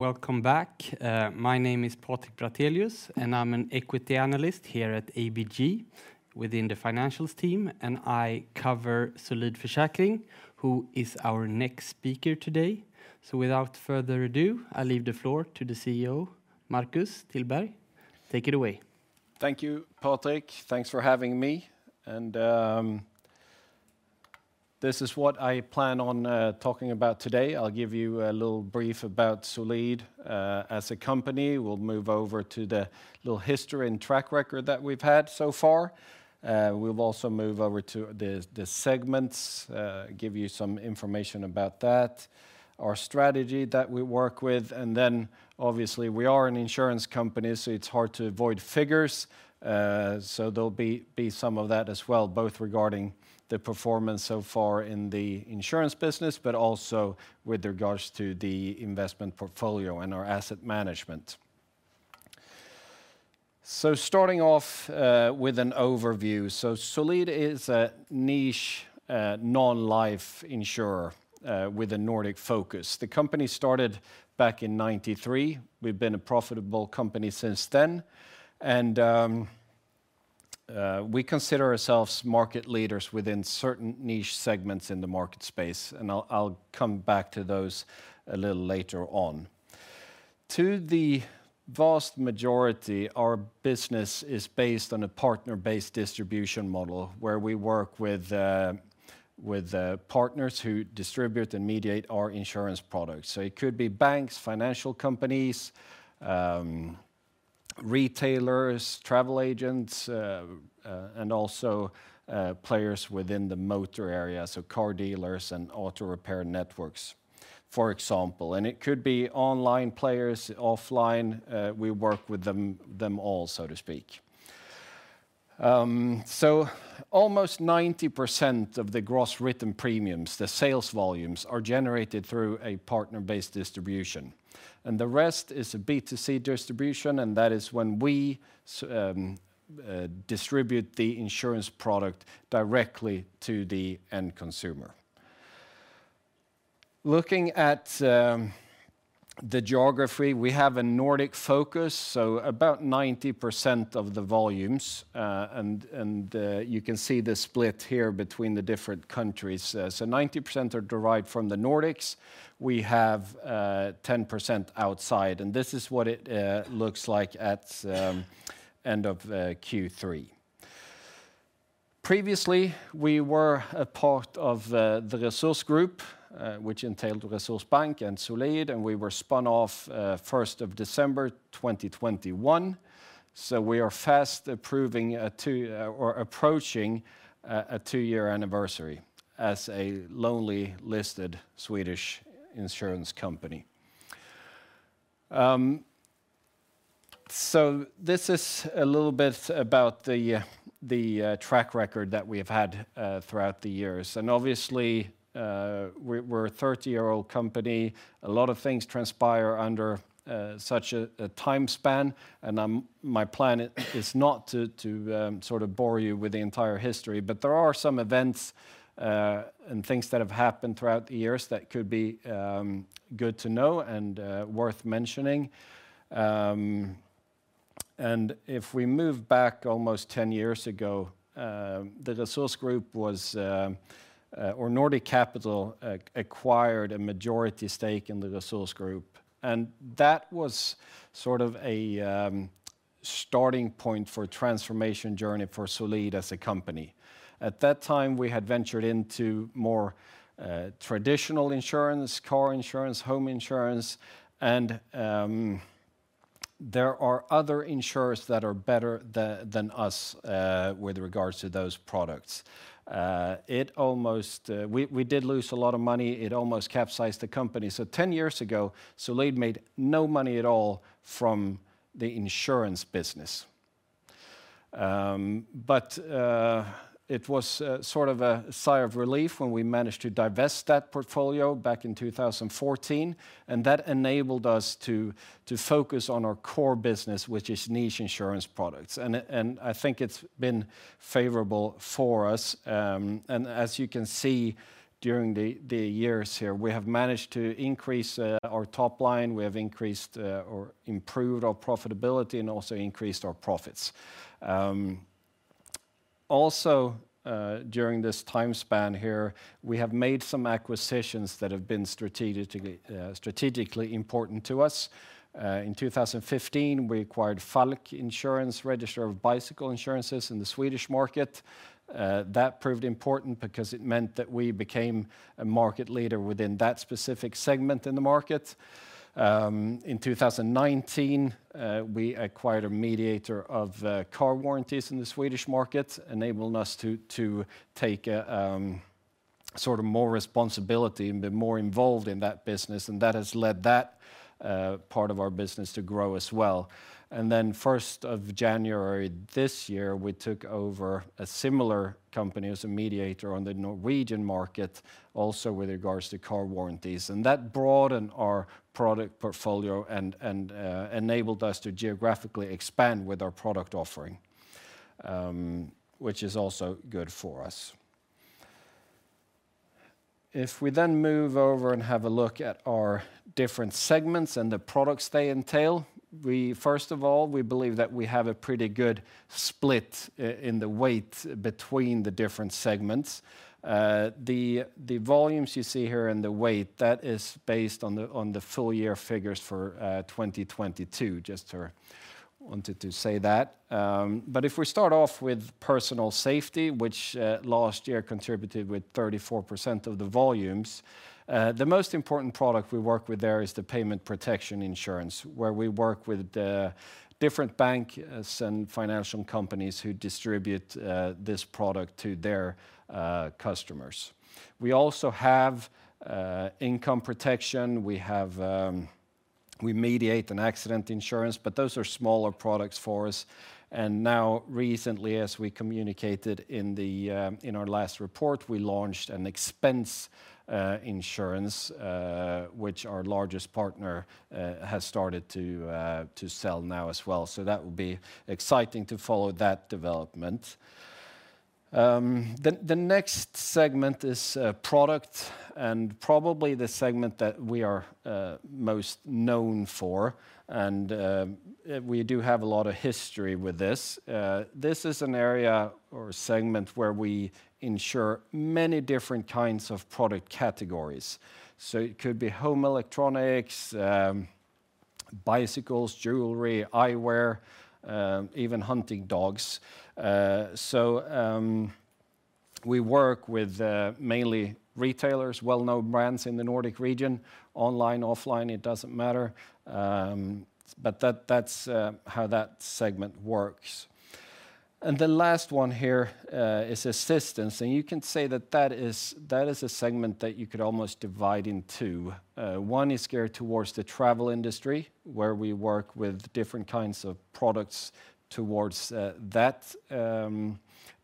Welcome back. My name is Patrik Brattelius, and I'm an equity analyst here at ABG within the financials team, and I cover Solid Försäkring, who is our next speaker today. So without further ado, I leave the floor to the CEO, Marcus Tillberg. Take it away. Thank you, Patrik. Thanks for having me. This is what I plan on talking about today. I'll give you a little brief about Solid as a company. We'll move over to the little history and track record that we've had so far. We'll also move over to the segments, give you some information about that, our strategy that we work with, and then obviously, we are an insurance company, so it's hard to avoid figures. There'll be some of that as well, both regarding the performance so far in the insurance business, but also with regards to the investment portfolio and our asset management. Starting off with an overview. Solid is a niche non-life insurer with a Nordic focus. The company started back in 1993. We've been a profitable company since then, and we consider ourselves market leaders within certain niche segments in the market space, and I'll come back to those a little later on. To the vast majority, our business is based on a partner-based distribution model, where we work with partners who distribute and mediate our insurance products. So it could be banks, financial companies, retailers, travel agents, and also players within the motor area, so car dealers and auto repair networks, for example. And it could be online players, offline, we work with them all, so to speak. So almost 90% of the gross written premiums, the sales volumes, are generated through a partner-based distribution, and the rest is a B2C distribution, and that is when we distribute the insurance product directly to the end consumer. Looking at the geography, we have a Nordic focus, so about 90% of the volumes, and you can see the split here between the different countries. So 90% are derived from the Nordics. We have 10% outside, and this is what it looks like at end of Q3. Previously, we were a part of the Resurs Group, which entailed Resurs Bank and Solid, and we were spun off first of December 2021. So we are approaching a 2-year anniversary as a newly listed Swedish insurance company. So this is a little bit about the track record that we have had throughout the years. And obviously, we're a 30-year-old company. A lot of things transpire under such a time span, and my plan is not to sort of bore you with the entire history, but there are some events and things that have happened throughout the years that could be good to know and worth mentioning. If we move back almost 10 years ago, Nordic Capital acquired a majority stake in the Resurs Group, and that was sort of a starting point for a transformation journey for Solid as a company. At that time, we had ventured into more traditional insurance, car insurance, home insurance, and there are other insurers that are better than us with regards to those products. It almost... We did lose a lot of money. It almost capsized the company. So 10 years ago, Solid made no money at all from the insurance business. But it was sort of a sigh of relief when we managed to divest that portfolio back in 2014, and that enabled us to focus on our core business, which is niche insurance products. I think it's been favorable for us, and as you can see, during the years here, we have managed to increase our top line. We have increased or improved our profitability and also increased our profits. During this time span here, we have made some acquisitions that have been strategically important to us. In 2015, we acquired Falck Insurance, registrar of bicycle insurances in the Swedish market. That proved important because it meant that we became a market leader within that specific segment in the market. In 2019, we acquired a mediator of car warranties in the Swedish market, enabling us to take a sort of more responsibility and be more involved in that business, and that has led that part of our business to grow as well. On the first of January this year, we took over a similar company as a mediator on the Norwegian market, also with regards to car warranties, and that broadened our product portfolio and enabled us to geographically expand with our product offering, which is also good for us. If we then move over and have a look at our different segments and the products they entail, we, first of all, we believe that we have a pretty good split in the weight between the different segments. The volumes you see here and the weight, that is based on the full year figures for 2022, just wanted to say that. But if we start off with personal safety, which last year contributed with 34% of the volumes, the most important product we work with there is the payment protection insurance, where we work with different banks and financial companies who distribute this product to their customers. We also have income protection. We mediate an accident insurance, but those are smaller products for us. And now, recently, as we communicated in our last report, we launched an expense insurance, which our largest partner has started to sell now as well. So that will be exciting to follow that development. The next segment is product and probably the segment that we are most known for, and we do have a lot of history with this. This is an area or segment where we insure many different kinds of product categories. So it could be home electronics, bicycles, jewelry, eyewear, even hunting dogs. We work with mainly retailers, well-known brands in the Nordic region, online, offline, it doesn't matter. But that's how that segment works. And the last one here is assistance, and you can say that that is a segment that you could almost divide in two. One is geared towards the travel industry, where we work with different kinds of products towards that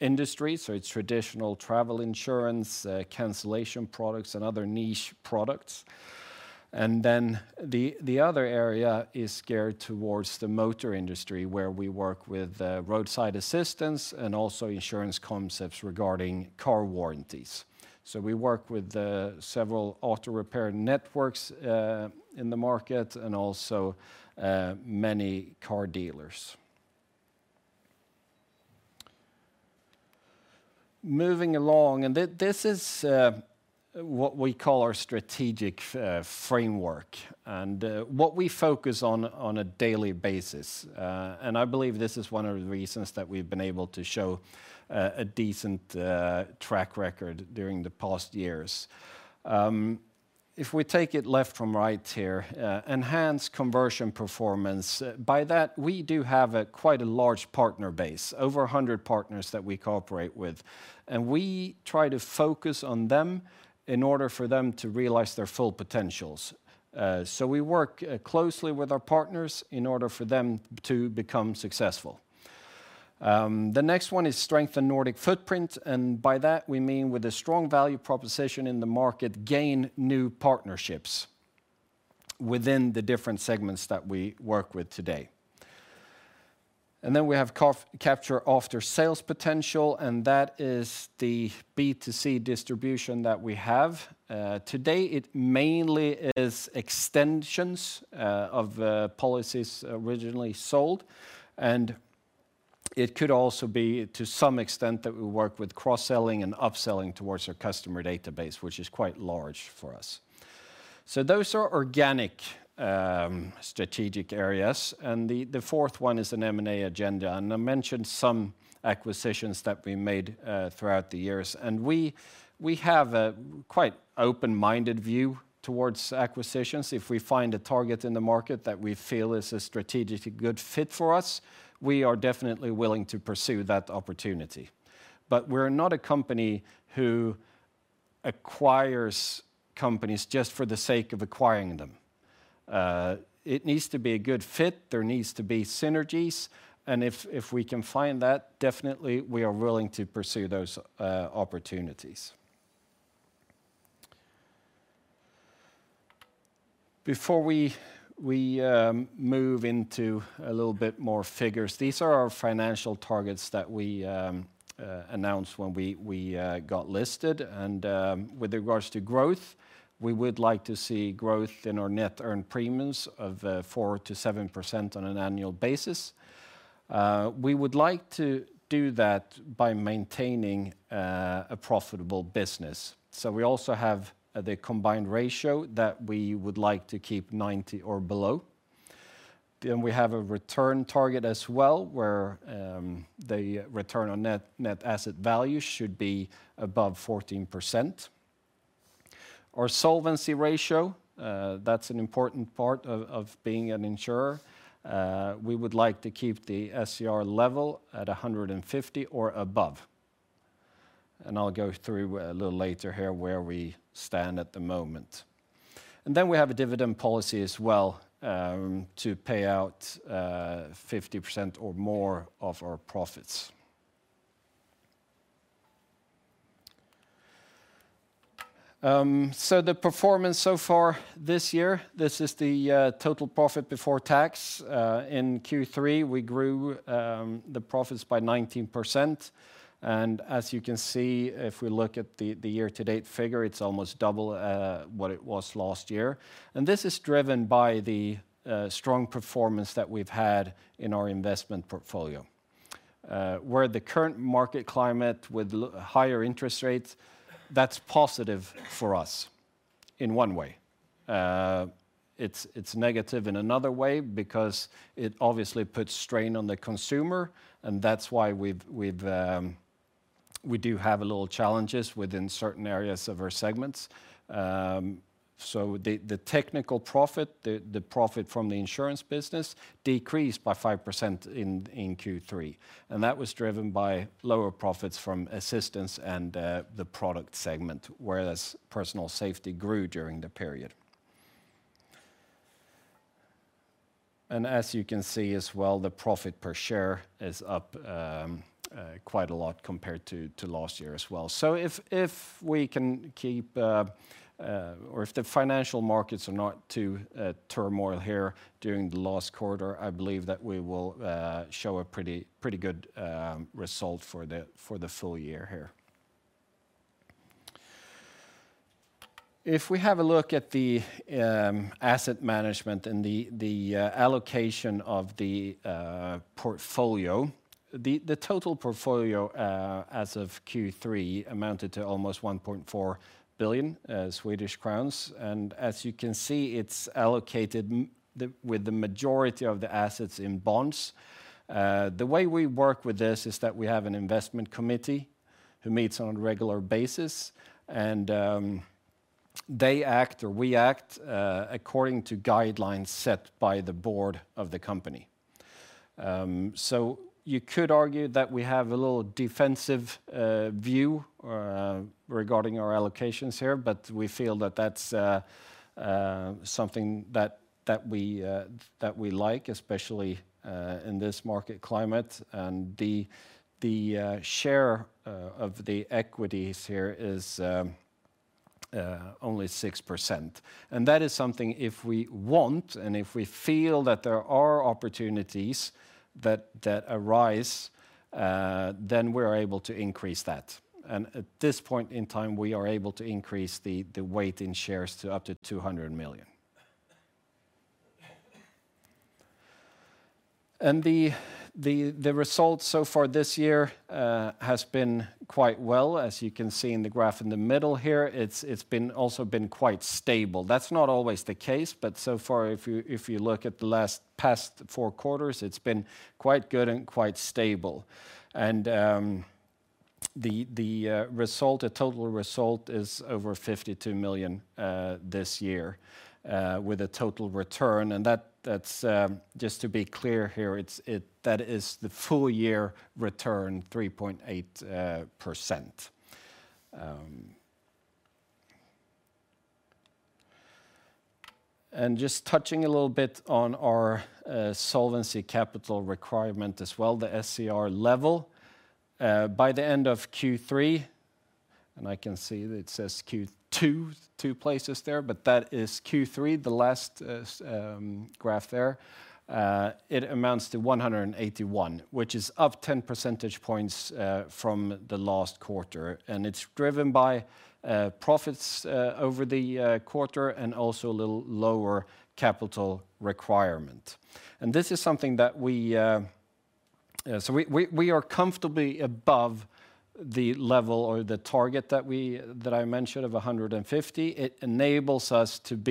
industry. So it's traditional travel insurance, cancellation products, and other niche products. And then the other area is geared towards the motor industry, where we work with roadside assistance and also insurance concepts regarding car warranties. So we work with several auto repair networks in the market and also many car dealers. Moving along, and this is what we call our strategic framework, and what we focus on on a daily basis. And I believe this is one of the reasons that we've been able to show a decent track record during the past years. If we take it left from right here, enhance conversion performance. By that, we do have a quite a large partner base, over 100 partners that we cooperate with, and we try to focus on them in order for them to realize their full potentials. So we work closely with our partners in order for them to become successful. The next one is strengthen Nordic footprint, and by that we mean with a strong value proposition in the market, gain new partnerships within the different segments that we work with today. And then we have capture after sales potential, and that is the B2C distribution that we have. Today, it mainly is extensions of policies originally sold, and it could also be, to some extent, that we work with cross-selling and upselling towards our customer database, which is quite large for us. So those are organic strategic areas, and the fourth one is an M&A agenda, and I mentioned some acquisitions that we made throughout the years. And we have a quite open-minded view towards acquisitions. If we find a target in the market that we feel is a strategically good fit for us, we are definitely willing to pursue that opportunity. But we're not a company who acquires companies just for the sake of acquiring them. It needs to be a good fit, there needs to be synergies, and if we can find that, definitely, we are willing to pursue those opportunities. Before we move into a little bit more figures, these are our financial targets that we announced when we got listed. And, with regards to growth, we would like to see growth in our net earned premiums of 4%-7% on an annual basis. We would like to do that by maintaining a profitable business. So we also have the Combined Ratio that we would like to keep 90 or below. Then we have a return target as well, where the Return on Net Asset Value should be above 14%. Our solvency ratio, that's an important part of being an insurer. We would like to keep the SCR level at 150 or above. And I'll go through a little later here where we stand at the moment. And then we have a dividend policy as well, to pay out 50% or more of our profits.... So the performance so far this year, this is the total profit before tax. In Q3, we grew the profits by 19%. As you can see, if we look at the year-to-date figure, it's almost double what it was last year. And this is driven by the strong performance that we've had in our investment portfolio. Where the current market climate with higher interest rates, that's positive for us in one way. It's negative in another way because it obviously puts strain on the consumer, and that's why we do have a little challenges within certain areas of our segments. So the technical profit, the profit from the insurance business, decreased by 5% in Q3, and that was driven by lower profits from assistance and the product segment, whereas personal safety grew during the period. As you can see as well, the profit per share is up quite a lot compared to last year as well. So if we can keep or if the financial markets are not too turmoil here during the last quarter, I believe that we will show a pretty good result for the full year here. If we have a look at the asset management and the allocation of the portfolio, the total portfolio as of Q3 amounted to almost 1.4 billion Swedish crowns, and as you can see, it's allocated with the majority of the assets in bonds. The way we work with this is that we have an investment committee who meets on a regular basis, and they act, or we act, according to guidelines set by the board of the company. So you could argue that we have a little defensive view regarding our allocations here, but we feel that that's something that we like, especially in this market climate. And the share of the equities here is only 6%. And that is something if we want, and if we feel that there are opportunities that arise, then we're able to increase that. And at this point in time, we are able to increase the weight in shares to up to 200 million. The results so far this year has been quite well, as you can see in the graph in the middle here. It's also been quite stable. That's not always the case, but so far, if you look at the last past 4 quarters, it's been quite good and quite stable. The total result is over 52 million this year with a total return, and that's just to be clear here, that is the full year return, 3.8%. Just touching a little bit on our solvency capital requirement as well, the SCR level. By the end of Q3, and I can see that it says Q2 two places there, but that is Q3, the last graph there. It amounts to 181, which is up 10 percentage points from the last quarter, and it's driven by profits over the quarter and also a little lower capital requirement. And this is something that we are comfortably above the level or the target that I mentioned of 150. It enables us to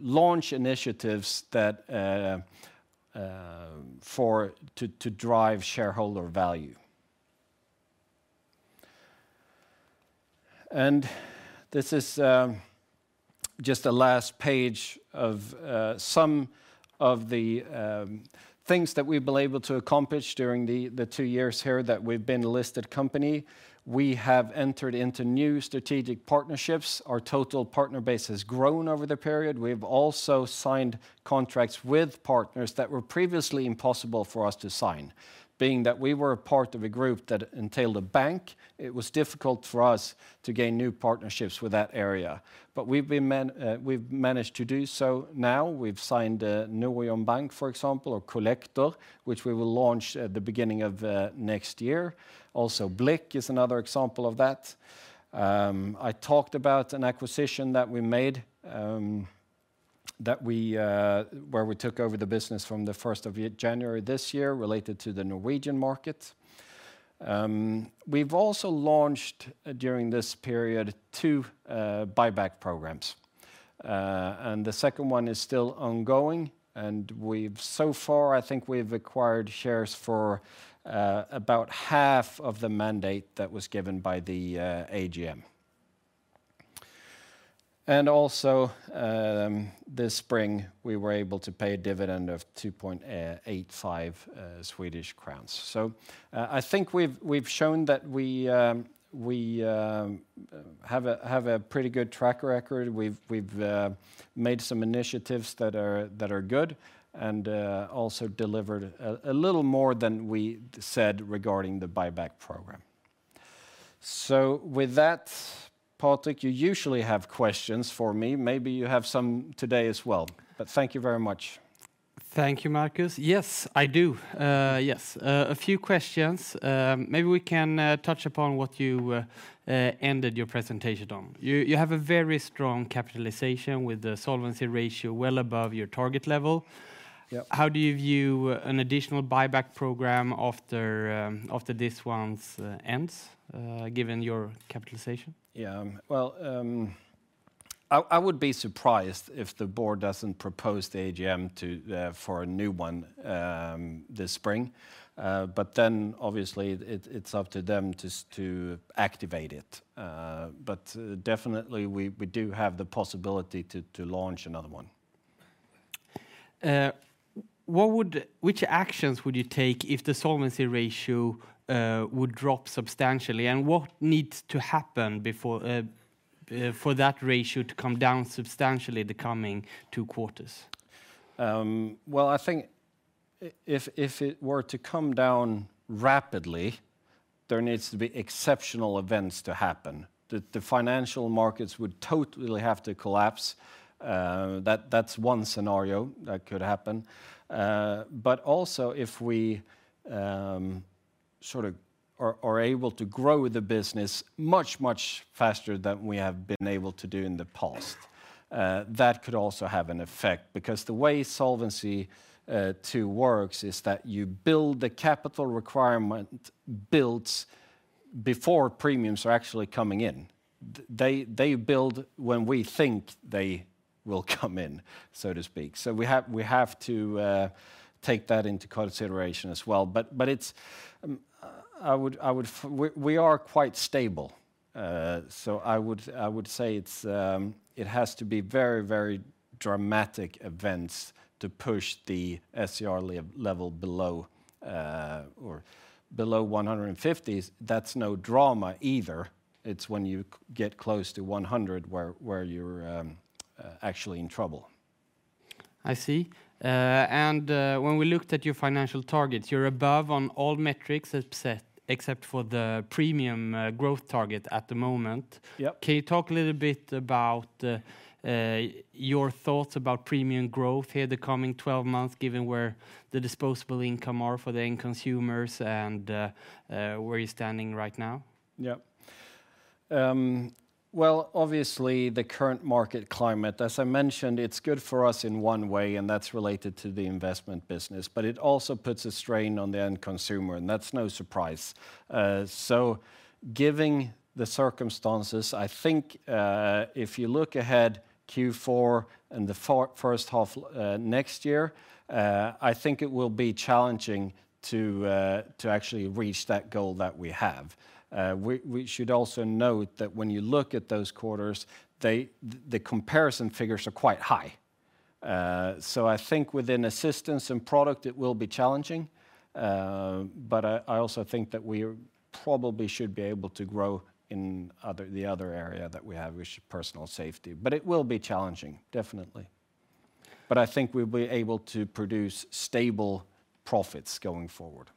launch initiatives that to drive shareholder value. And this is just a last page of some of the things that we've been able to accomplish during the two years here that we've been a listed company. We have entered into new strategic partnerships. Our total partner base has grown over the period. We've also signed contracts with partners that were previously impossible for us to sign. Being that we were a part of a group that entailed a bank, it was difficult for us to gain new partnerships with that area. But we've managed to do so now. We've signed Nordea Bank, for example, or Collector, which we will launch at the beginning of next year. Also, Blipp is another example of that. I talked about an acquisition that we made, that we where we took over the business from the first of January this year, related to the Norwegian market. We've also launched, during this period, two buyback programs. And the second one is still ongoing, and we've so far, I think we've acquired shares for about half of the mandate that was given by the AGM. Also, this spring, we were able to pay a dividend of 2.85 Swedish crowns. I think we've made some initiatives that are good and also delivered a little more than we said regarding the buyback program. So with that, Patrik, you usually have questions for me. Maybe you have some today as well, but thank you very much. Thank you, Marcus. Yes, I do. Yes, a few questions. Maybe we can touch upon what you ended your presentation on. You have a very strong capitalization, with the solvency ratio well above your target level. Yeah. How do you view an additional buyback program after this one's ends, given your capitalization? Yeah, well, I would be surprised if the board doesn't propose the AGM to for a new one this spring. But then obviously, it's up to them to activate it. But definitely, we do have the possibility to launch another one. Which actions would you take if the solvency ratio would drop substantially, and what needs to happen before for that ratio to come down substantially the coming two quarters? Well, I think if it were to come down rapidly, there needs to be exceptional events to happen. The financial markets would totally have to collapse. That's one scenario that could happen. But also, if we sort of are able to grow the business much, much faster than we have been able to do in the past, that could also have an effect. Because the way Solvency II works is that you build the capital requirement builds before premiums are actually coming in. They build when we think they will come in, so to speak. So we have to take that into consideration as well. But it's, I would we are quite stable. So I would, I would say it's, it has to be very, very dramatic events to push the SCR level below, or below 150. That's no drama either. It's when you get close to 100, where, where you're, actually in trouble. I see. When we looked at your financial targets, you're above on all metrics, except for the premium growth target at the moment. Yeah. Can you talk a little bit about your thoughts about premium growth here the coming 12 months, given where the disposable income are for the end consumers and where you're standing right now? Yeah. Well, obviously, the current market climate, as I mentioned, it's good for us in one way, and that's related to the investment business, but it also puts a strain on the end consumer, and that's no surprise. So given the circumstances, I think, if you look ahead Q4 and the first half, next year, I think it will be challenging to actually reach that goal that we have. We should also note that when you look at those quarters, they, the comparison figures are quite high. So I think within assistance and product, it will be challenging, but I also think that we probably should be able to grow in the other area that we have, which is personal safety. But it will be challenging, definitely. But I think we'll be able to produce stable profits going forward.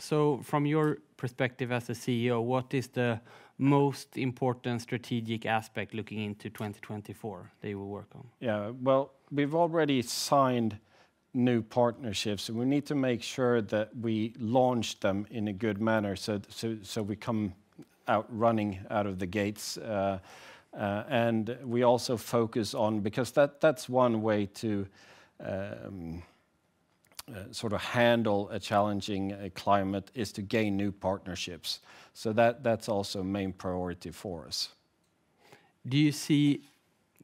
So, from your perspective as the CEO, what is the most important strategic aspect looking into 2024 that you will work on? Yeah. Well, we've already signed new partnerships, and we need to make sure that we launch them in a good manner, so we come out running out of the gates. And we also focus on... Because that, that's one way to sort of handle a challenging climate, is to gain new partnerships. So that, that's also a main priority for us.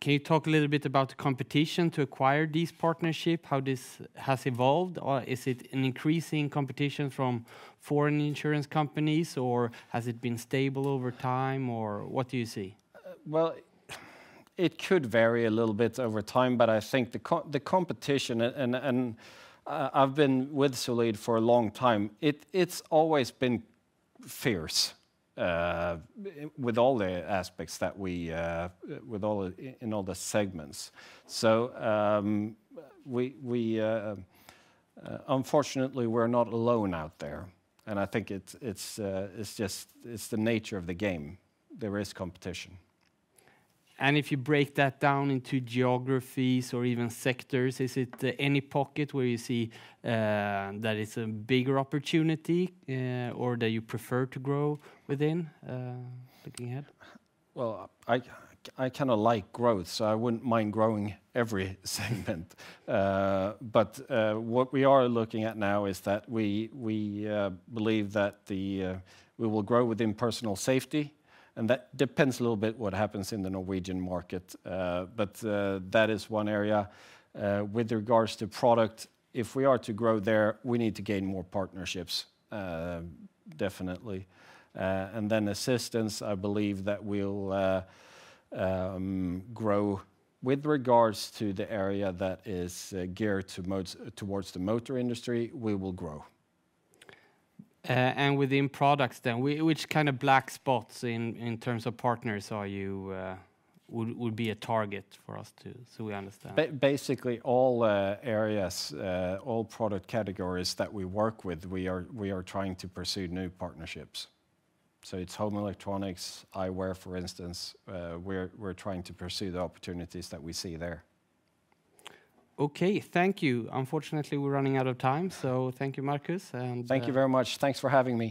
Can you talk a little bit about the competition to acquire these partnership, how this has evolved, or is it an increasing competition from foreign insurance companies, or has it been stable over time, or what do you see? Well, it could vary a little bit over time, but I think the competition, and I've been with Zurich for a long time, it's always been fierce with all the aspects that we with all the in all the segments. So, unfortunately, we're not alone out there, and I think it's just the nature of the game. There is competition. If you break that down into geographies or even sectors, is it any pocket where you see that it's a bigger opportunity, or that you prefer to grow within, looking ahead? Well, I kind of like growth, so I wouldn't mind growing every segment. But what we are looking at now is that we believe that we will grow within personal safety, and that depends a little bit what happens in the Norwegian market. But that is one area. With regards to product, if we are to grow there, we need to gain more partnerships, definitely. And then assistance, I believe that we'll grow with regards to the area that is geared towards the motor industry, we will grow. And within products then, which kind of black spots in terms of partners are you would be a target for us to, so we understand? Basically, all areas, all product categories that we work with, we are trying to pursue new partnerships. So it's home electronics, eyewear, for instance, we're trying to pursue the opportunities that we see there. Okay, thank you. Unfortunately, we're running out of time, so thank you, Marcus, and- Thank you very much. Thanks for having me.